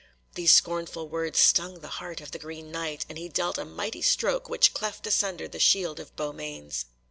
These scornful words stung the heart of the Green Knight, and he dealt a mighty stroke which cleft asunder the shield of Beaumains.